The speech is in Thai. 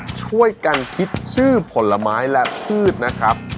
ช่วยกันคิดชื่อผลไม้และพืชนะครับ